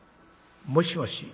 『もしもし。